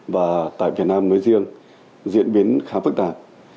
và tại việt nam nói riêng diễn biến khá phức tạp